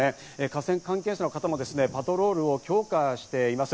河川関係者の方もパトロールを強化しています。